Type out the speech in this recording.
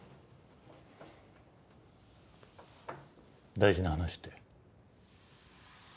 大事な話って？